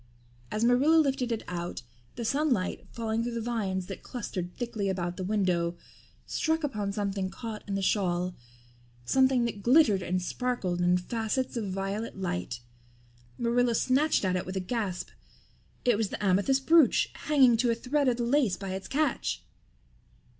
As Marilla lifted it out, the sunlight, falling through the vines that clustered thickly about the window, struck upon something caught in the shawl something that glittered and sparkled in facets of violet light. Marilla snatched at it with a gasp. It was the amethyst brooch, hanging to a thread of the lace by its catch!